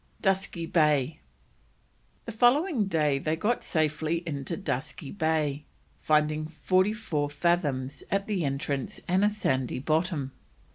DUSKY BAY. The following day they got safely into Dusky Bay, finding forty four fathoms at the entrance and a sandy bottom.